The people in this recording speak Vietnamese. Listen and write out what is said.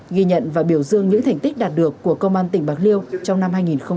ghi nhận và biểu dương những thành tích đạt được của công an tỉnh bạc liêu trong năm hai nghìn hai mươi ba